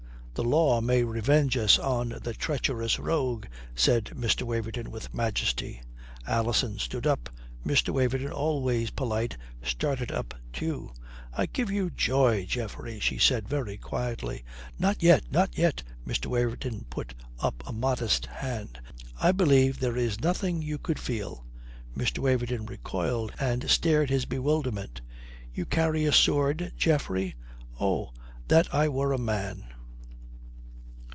"The law may revenge us on the treacherous rogue," said Mr. Waverton with majesty. Alison stood up. Mr. Waverton, always polite, started up too. "I give you joy, Geoffrey," she said very quietly. "Not yet! Not yet!" Mr. Waverton put up a modest hand. "I believe there is nothing you could feel." Mr. Waverton recoiled and stared his bewilderment. "You carry a sword, Geoffrey. Oh, that I were a man!"